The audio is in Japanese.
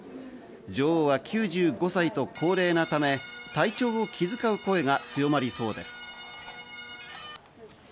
女王は９５歳と高齢なため、体調を気づかう声が強まりそうです。